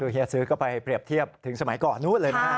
เฮียซื้อก็ไปเปรียบเทียบถึงสมัยก่อนนู้นเลยนะครับ